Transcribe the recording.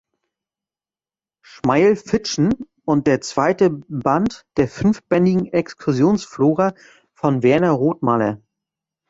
Schmeil-Fitschen und der zweite Band der fünfbändigen "Exkursionsflora" von Werner Rothmaler.